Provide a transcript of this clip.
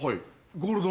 ゴールド！